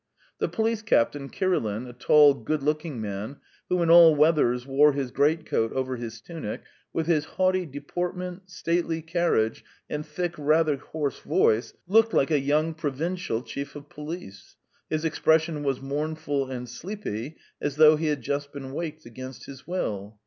The police captain, Kirilin, a tall, good looking man, who in all weathers wore his great coat over his tunic, with his haughty deportment, stately carriage, and thick, rather hoarse voice, looked like a young provincial chief of police; his expression was mournful and sleepy, as though he had just been waked against his will.